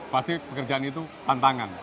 pasti pekerjaan itu tantangan